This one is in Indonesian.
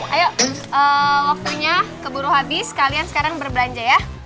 ayo waktunya keburu habis kalian sekarang berbelanja ya